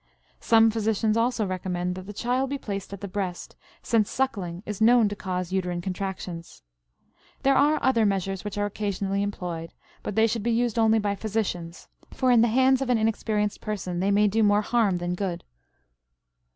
Some physicians also recommend that the child be placed at the breast, since suckling is known to cause uterine contractions. There are other measures which are occasionally employed, but they should be used only by physicians, for in the hands of an inexperienced person they may do more harm than good.